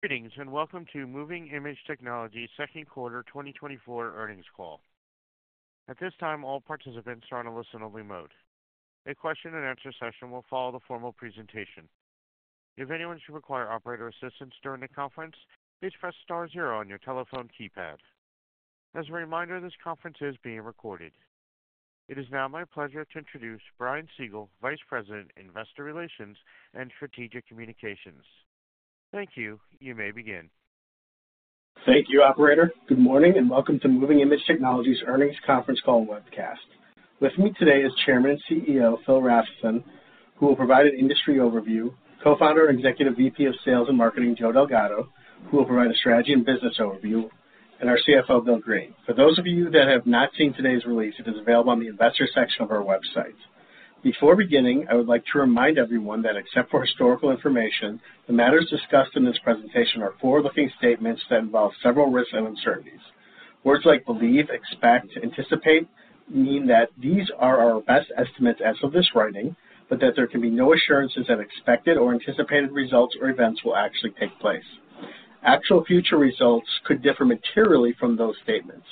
Greetings and welcome to Moving iMage Technologies second quarter 2024 earnings call. At this time, all participants are on a listen-only mode. A question-and-answer session will follow the formal presentation. If anyone should require operator assistance during the conference, please press star zero on your telephone keypad. As a reminder, this conference is being recorded. It is now my pleasure to introduce Brian Siegel, Vice President, Investor Relations and Strategic Communications. Thank you. You may begin. Thank you, operator. Good morning and welcome to Moving iMage Technologies' earnings conference call webcast. With me today is Chairman and CEO Phil Rafnson, who will provide an industry overview. Co-founder and Executive VP of Sales and Marketing Joe Delgado, who will provide a strategy and business overview, and our CFO Bill Greene. For those of you that have not seen today's release, it is available on the investor section of our website. Before beginning, I would like to remind everyone that except for historical information, the matters discussed in this presentation are forward-looking statements that involve several risks and uncertainties. Words like believe, expect, anticipate mean that these are our best estimates as of this writing, but that there can be no assurances that expected or anticipated results or events will actually take place. Actual future results could differ materially from those statements.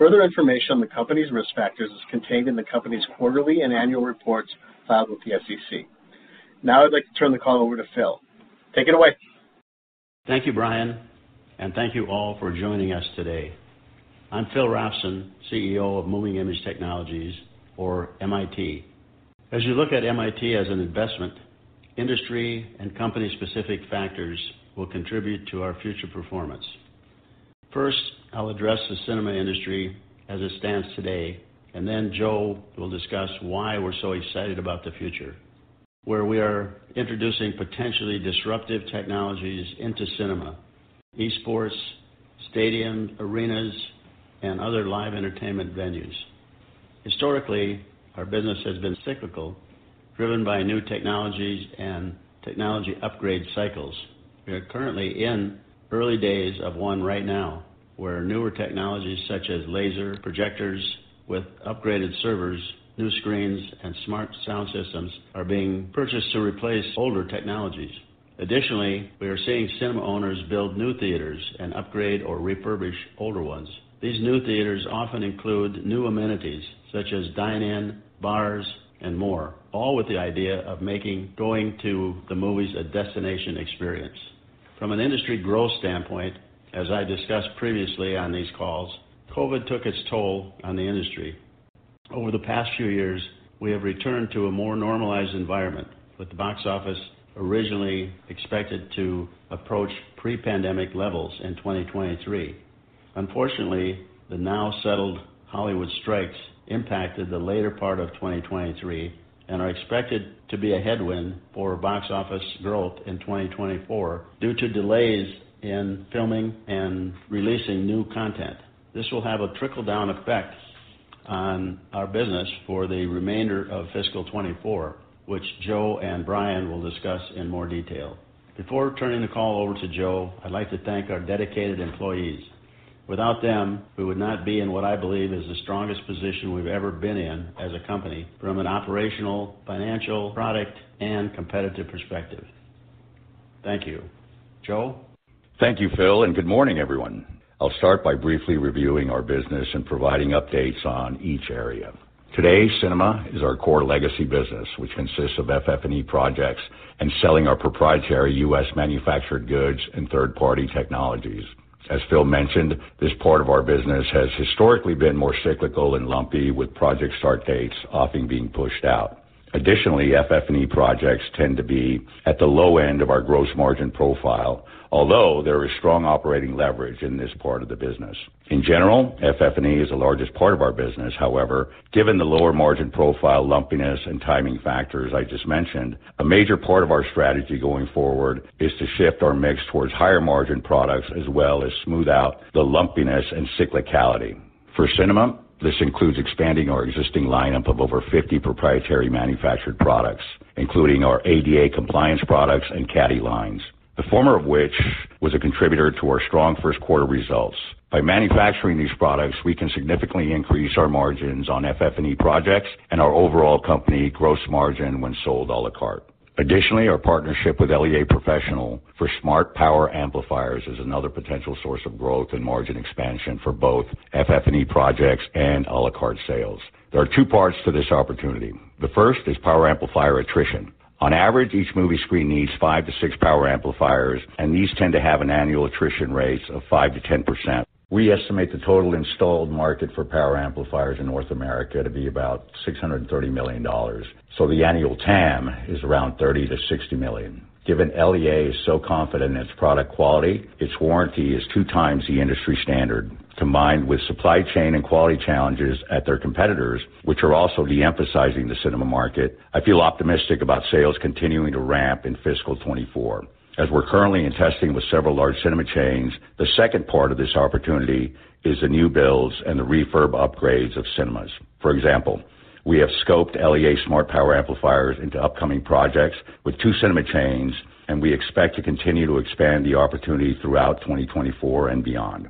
Further information on the company's risk factors is contained in the company's quarterly and annual reports filed with the SEC. Now I'd like to turn the call over to Phil. Take it away. Thank you, Brian, and thank you all for joining us today. I'm Phil Rafnson, CEO of Moving iMage Technologies, or MIT. As you look at MIT as an investment, industry and company-specific factors will contribute to our future performance. First, I'll address the cinema industry as it stands today, and then Joe will discuss why we're so excited about the future, where we are introducing potentially disruptive technologies into cinema, e-sports, stadiums, arenas, and other live entertainment venues. Historically, our business has been cyclical, driven by new technologies and technology upgrade cycles. We are currently in early days of one right now, where newer technologies such as laser projectors with upgraded servers, new screens, and smart sound systems are being purchased to replace older technologies. Additionally, we are seeing cinema owners build new theaters and upgrade or refurbish older ones. These new theaters often include new amenities such as dine-ins, bars, and more, all with the idea of making going to the movies a destination experience. From an industry growth standpoint, as I discussed previously on these calls, COVID took its toll on the industry. Over the past few years, we have returned to a more normalized environment, with the box office originally expected to approach pre-pandemic levels in 2023. Unfortunately, the now-settled Hollywood strikes impacted the later part of 2023 and are expected to be a headwind for box office growth in 2024 due to delays in filming and releasing new content. This will have a trickle-down effect on our business for the remainder of fiscal 2024, which Joe and Brian will discuss in more detail. Before turning the call over to Joe, I'd like to thank our dedicated employees. Without them, we would not be in what I believe is the strongest position we've ever been in as a company from an operational, financial, product, and competitive perspective. Thank you. Joe? Thank you, Phil, and good morning, everyone. I'll start by briefly reviewing our business and providing updates on each area. Today, cinema is our core legacy business, which consists of FF&E projects and selling our proprietary U.S. manufactured goods and third-party technologies. As Phil mentioned, this part of our business has historically been more cyclical and lumpy, with project start dates often being pushed out. Additionally, FF&E projects tend to be at the low end of our gross margin profile, although there is strong operating leverage in this part of the business. In general, FF&E is the largest part of our business. However, given the lower margin profile, lumpiness, and timing factors I just mentioned, a major part of our strategy going forward is to shift our mix towards higher margin products as well as smooth out the lumpiness and cyclicality. For cinema, this includes expanding our existing lineup of over 50 proprietary manufactured products, including our ADA compliance products and Caddy lines, the former of which was a contributor to our strong first quarter results. By manufacturing these products, we can significantly increase our margins on FF&E projects and our overall company gross margin when sold à la carte. Additionally, our partnership with LEA Professional for smart power amplifiers is another potential source of growth and margin expansion for both FF&E projects and à la carte sales. There are two parts to this opportunity. The first is power amplifier attrition. On average, each movie screen needs five to six power amplifiers, and these tend to have an annual attrition rate of 5%-10%. We estimate the total installed market for power amplifiers in North America to be about $630 million, so the annual TAM is around $30 million-$60 million. Given LEA is so confident in its product quality, its warranty is two times the industry standard. Combined with supply chain and quality challenges at their competitors, which are also de-emphasizing the cinema market, I feel optimistic about sales continuing to ramp in fiscal 2024. As we're currently in testing with several large cinema chains, the second part of this opportunity is the new builds and the refurb upgrades of cinemas. For example, we have scoped LEA smart power amplifiers into upcoming projects with two cinema chains, and we expect to continue to expand the opportunity throughout 2024 and beyond.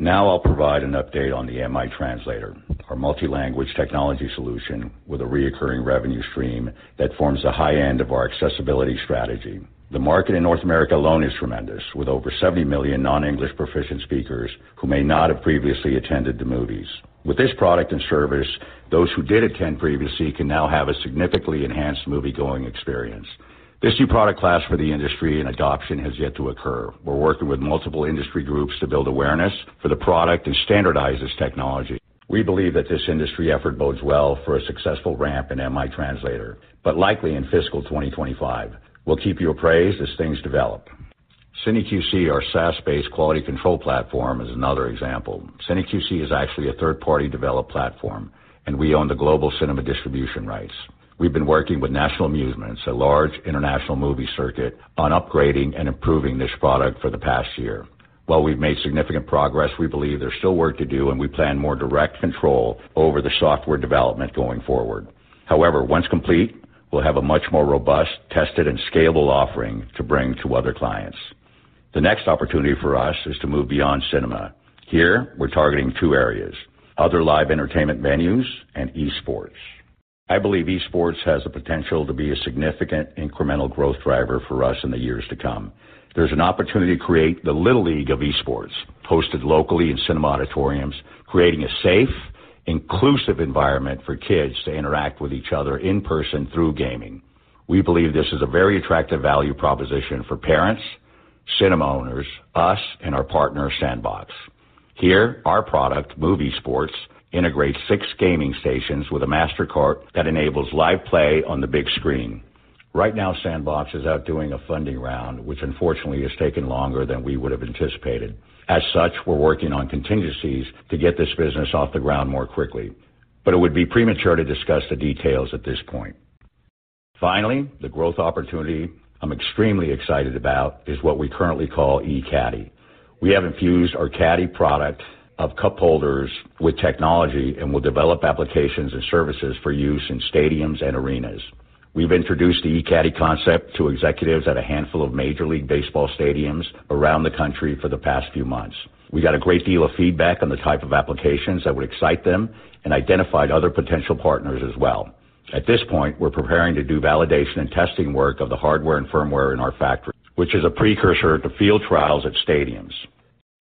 Now I'll provide an update on the MiTranslator, our multi-language technology solution with a recurring revenue stream that forms the high end of our accessibility strategy. The market in North America alone is tremendous, with over 70 million non-English proficient speakers who may not have previously attended the movies. With this product and service, those who did attend previously can now have a significantly enhanced movie-going experience. This new product class for the industry and adoption has yet to occur. We're working with multiple industry groups to build awareness for the product and standardize this technology. We believe that this industry effort bodes well for a successful ramp in MiTranslator, but likely in fiscal 2025. We'll keep you apprised as things develop. CineQC, our SaaS-based quality control platform, is another example. CineQC is actually a third-party developed platform, and we own the global cinema distribution rights. We've been working with National Amusements, a large international movie circuit, on upgrading and improving this product for the past year. While we've made significant progress, we believe there's still work to do, and we plan more direct control over the software development going forward. However, once complete, we'll have a much more robust, tested, and scalable offering to bring to other clients. The next opportunity for us is to move beyond cinema. Here, we're targeting two areas: other live entertainment venues and e-sports. I believe e-sports has the potential to be a significant incremental growth driver for us in the years to come. There's an opportunity to create the Little League of e-sports, hosted locally in cinema auditoriums, creating a safe, inclusive environment for kids to interact with each other in person through gaming. We believe this is a very attractive value proposition for parents, cinema owners, us, and our partner, SNDBX. Here, our product, MovieSports, integrates six gaming stations with a master card that enables live play on the big screen. Right now, SNDBX is out doing a funding round, which unfortunately has taken longer than we would have anticipated. As such, we're working on contingencies to get this business off the ground more quickly, but it would be premature to discuss the details at this point. Finally, the growth opportunity I'm extremely excited about is what we currently call eCaddy. We have infused our Caddy product of cup holders with technology and will develop applications and services for use in stadiums and arenas. We've introduced the eCaddy concept to executives at a handful of Major League Baseball stadiums around the country for the past few months. We got a great deal of feedback on the type of applications that would excite them and identified other potential partners as well. At this point, we're preparing to do validation and testing work of the hardware and firmware in our factory, which is a precursor to field trials at stadiums.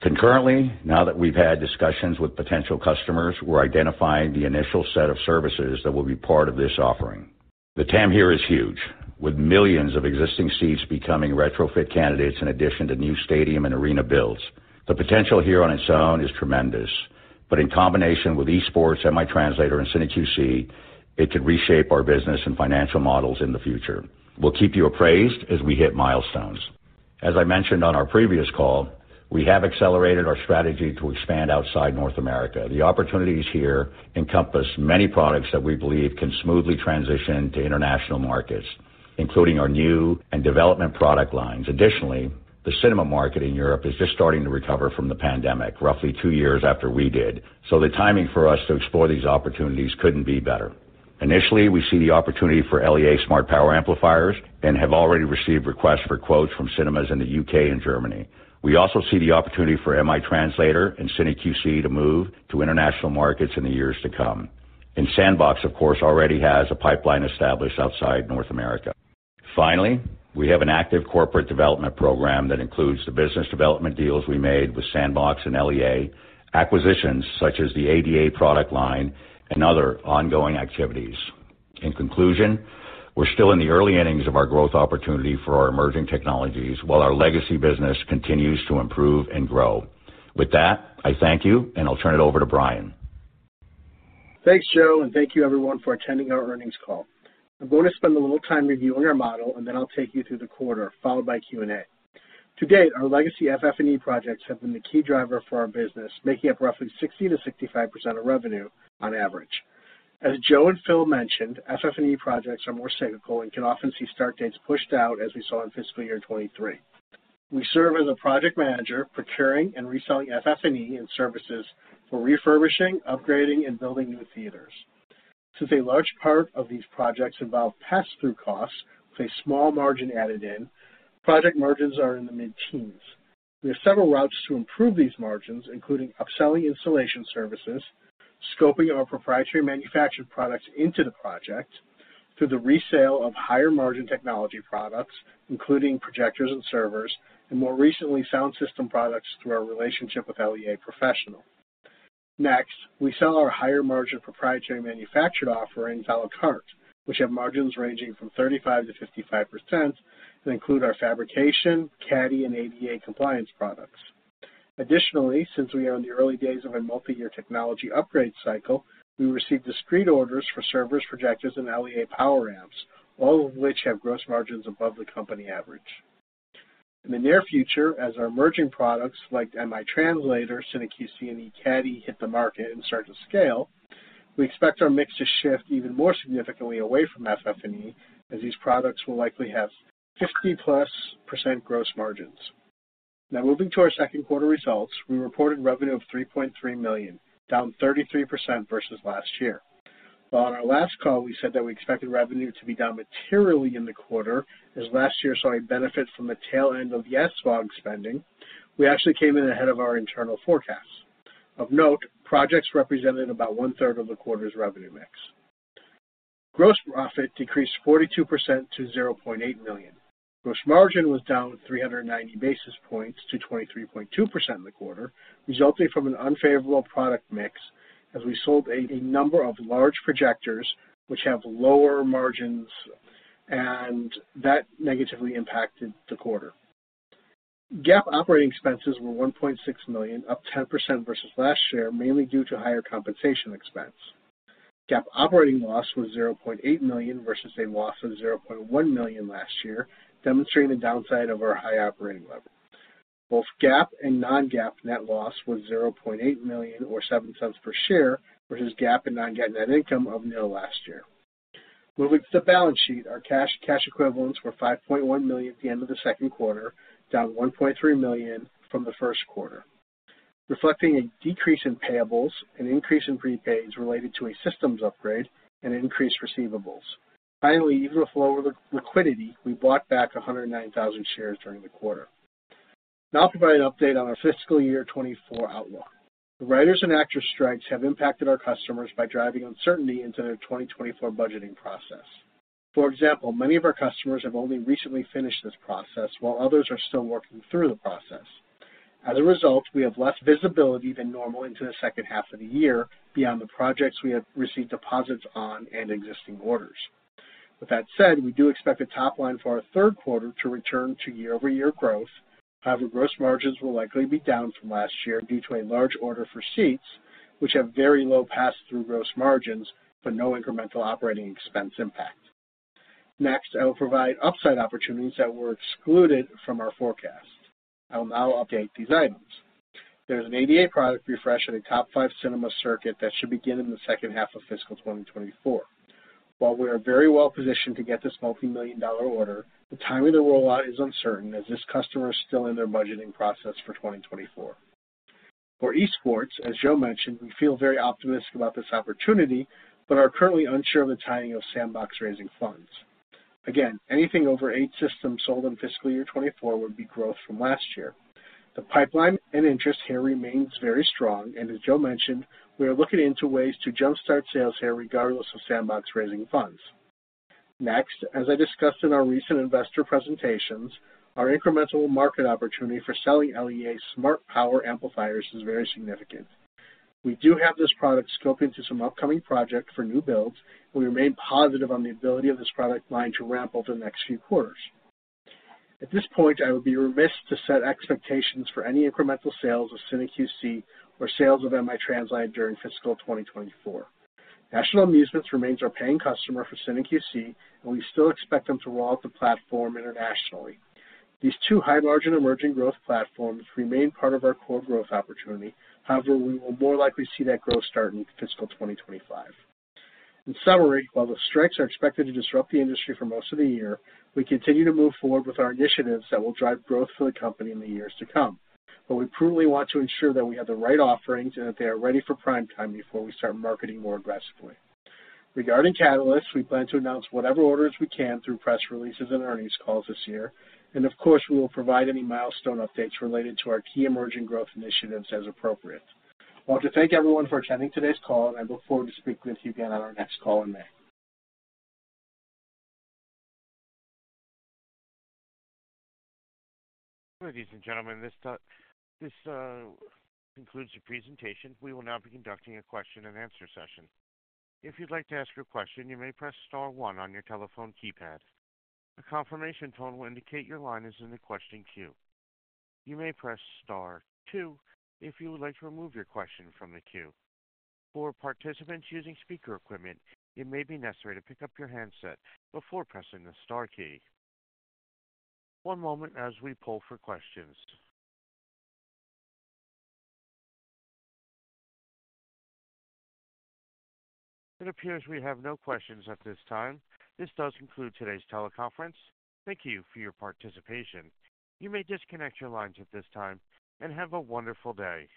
Concurrently, now that we've had discussions with potential customers, we're identifying the initial set of services that will be part of this offering. The TAM here is huge, with millions of existing seats becoming retrofit candidates in addition to new stadium and arena builds. The potential here on its own is tremendous, but in combination with e-sports, MiTranslator, and CineQC, it could reshape our business and financial models in the future. We'll keep you apprised as we hit milestones. As I mentioned on our previous call, we have accelerated our strategy to expand outside North America. The opportunities here encompass many products that we believe can smoothly transition to international markets, including our new and development product lines. Additionally, the cinema market in Europe is just starting to recover from the pandemic, roughly two years after we did, so the timing for us to explore these opportunities couldn't be better. Initially, we see the opportunity for LEA smart power amplifiers and have already received requests for quotes from cinemas in the U.K. and Germany. We also see the opportunity for MiTranslator and CineQC to move to international markets in the years to come. And SNDBX, of course, already has a pipeline established outside North America. Finally, we have an active corporate development program that includes the business development deals we made with SNDBX and LEA, acquisitions such as the ADA product line, and other ongoing activities. In conclusion, we're still in the early innings of our growth opportunity for our emerging technologies while our legacy business continues to improve and grow. With that, I thank you, and I'll turn it over to Brian. Thanks, Joe, and thank you, everyone, for attending our earnings call. I'm going to spend a little time reviewing our model, and then I'll take you through the quarter, followed by Q&A. To date, our legacy FF&E projects have been the key driver for our business, making up roughly 60%-65% of revenue on average. As Joe and Phil mentioned, FF&E projects are more cyclical and can often see start dates pushed out as we saw in fiscal year 2023. We serve as a project manager, procuring and reselling FF&E and services for refurbishing, upgrading, and building new theaters. Since a large part of these projects involve pass-through costs with a small margin added in, project margins are in the mid-teens. We have several routes to improve these margins, including upselling installation services, scoping our proprietary manufactured products into the project, through the resale of higher margin technology products, including projectors and servers, and more recently, sound system products through our relationship with LEA Professional. Next, we sell our higher margin proprietary manufactured offerings à la carte, which have margins ranging from 35%-55% and include our fabrication, Caddy, and ADA compliance products. Additionally, since we are in the early days of a multi-year technology upgrade cycle, we receive discrete orders for servers, projectors, and LEA power amps, all of which have gross margins above the company average. In the near future, as our emerging products like MiTranslator, CineQC, and eCaddy hit the market and start to scale, we expect our mix to shift even more significantly away from FF&E, as these products will likely have 50%+ gross margins. Now, moving to our second quarter results, we reported revenue of $3.3 million, down 33% versus last year. While on our last call, we said that we expected revenue to be down materially in the quarter, as last year saw a benefit from the tail end of the SVOG spending, we actually came in ahead of our internal forecasts. Of note, projects represented about one-third of the quarter's revenue mix. Gross profit decreased 42% to $0.8 million. Gross margin was down 390 basis points to 23.2% in the quarter, resulting from an unfavorable product mix as we sold a number of large projectors which have lower margins, and that negatively impacted the quarter. GAAP operating expenses were $1.6 million, up 10% versus last year, mainly due to higher compensation expense. GAAP operating loss was $0.8 million versus a loss of $0.1 million last year, demonstrating the downside of our high operating level. Both GAAP and non-GAAP net loss was $0.8 million or $0.07 per share versus GAAP and non-GAAP net income of nil last year. Moving to the balance sheet, our cash equivalents were $5.1 million at the end of the second quarter, down $1.3 million from the first quarter, reflecting a decrease in payables, an increase in prepaids related to a systems upgrade, and an increase in receivables. Finally, even with lower liquidity, we bought back 109,000 shares during the quarter. Now I'll provide an update on our fiscal year 2024 outlook. The writers' and actors' strikes have impacted our customers by driving uncertainty into their 2024 budgeting process. For example, many of our customers have only recently finished this process, while others are still working through the process. As a result, we have less visibility than normal into the second half of the year beyond the projects we have received deposits on and existing orders. With that said, we do expect the top line for our third quarter to return to year-over-year growth. However, gross margins will likely be down from last year due to a large order for seats, which have very low pass-through gross margins but no incremental operating expense impact. Next, I will provide upside opportunities that were excluded from our forecast. I will now update these items. There's an ADA product refresh in a top five cinema circuit that should begin in the second half of fiscal 2024. While we are very well positioned to get this $multi-million order, the timing of the rollout is uncertain as this customer is still in their budgeting process for 2024. For e-sports, as Joe mentioned, we feel very optimistic about this opportunity but are currently unsure of the timing of SNDBX raising funds. Again, anything over eight systems sold in fiscal year 2024 would be growth from last year. The pipeline and interest here remains very strong, and as Joe mentioned, we are looking into ways to jump-start sales here regardless of SNDBX raising funds. Next, as I discussed in our recent investor presentations, our incremental market opportunity for selling LEA smart power amplifiers is very significant. We do have this product scoped into some upcoming projects for new builds, and we remain positive on the ability of this product line to ramp over the next few quarters. At this point, I would be remiss to set expectations for any incremental sales of CineQC or sales of MiTranslator during fiscal 2024. National Amusements remains our paying customer for CineQC, and we still expect them to roll out the platform internationally. These two high margin emerging growth platforms remain part of our core growth opportunity. However, we will more likely see that growth start in fiscal 2025. In summary, while the strikes are expected to disrupt the industry for most of the year, we continue to move forward with our initiatives that will drive growth for the company in the years to come, but we prudently want to ensure that we have the right offerings and that they are ready for prime time before we start marketing more aggressively. Regarding catalysts, we plan to announce whatever orders we can through press releases and earnings calls this year, and of course, we will provide any milestone updates related to our key emerging growth initiatives as appropriate. I want to thank everyone for attending today's call, and I look forward to speaking with you again on our next call in May. Ladies and gentlemen, this concludes the presentation. We will now be conducting a question-and-answer session. If you'd like to ask your question, you may press star one on your telephone keypad. A confirmation tone will indicate your line is in the question queue. You may press star two if you would like to remove your question from the queue. For participants using speaker equipment, it may be necessary to pick up your handset before pressing the star key. One moment as we pull for questions. It appears we have no questions at this time. This does conclude today's teleconference. Thank you for your participation. You may disconnect your lines at this time and have a wonderful day.